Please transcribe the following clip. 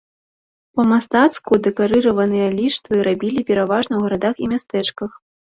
Па-мастацку дэкарыраваныя ліштвы рабілі пераважна ў гарадах і мястэчках.